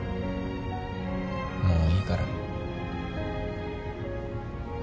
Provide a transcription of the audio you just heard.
もういいから。